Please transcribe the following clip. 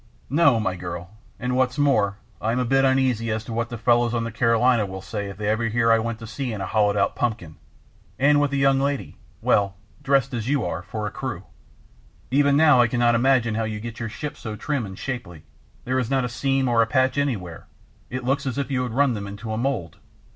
"No, my girl, and what's more, I am a bit uneasy as to what the fellows on the Carolina will say if they ever hear I went to sea in a hollowed out pumpkin, and with a young lady well, dressed as you are for crew. Even now I cannot imagine how you get your ships so trim and shapely there is not a seam or a patch anywhere, it looks as if you had run them into a mould."